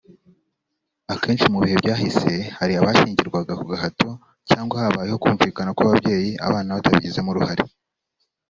Akenshi mu bihe byahise hari abashyingirwaga ku gahato cyangwa habayeho kumvikana kw’ababyeyi abana batabigizemo uruhare